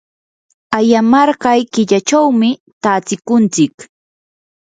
ayamarqay killachawmi tatsikuntsik.